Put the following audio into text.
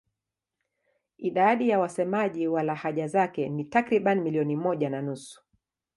Idadi ya wasemaji wa lahaja zake ni takriban milioni moja na nusu.